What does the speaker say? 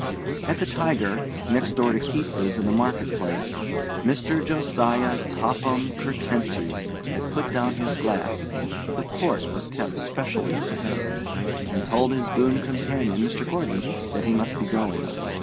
At the Tiger, next door to Keats's in the market place, Mr. Josiah Topham Curtenty had put down his glass (the port was kept specially for him), and told his boon companion, Mr. Gordon, that he must be going.